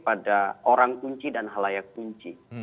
pada orang kunci dan halayak kunci